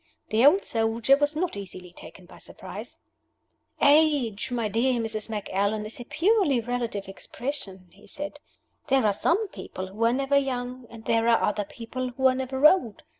The old soldier was not easily taken by surprise. "Age, my dear Mrs. Macallan, is a purely relative expression," he said. "There are some people who are never young, and there are other people who are never old.